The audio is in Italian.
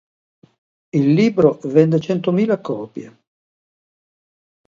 Il libro vende centomila copie.